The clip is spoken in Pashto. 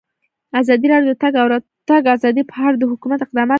ازادي راډیو د د تګ راتګ ازادي په اړه د حکومت اقدامات تشریح کړي.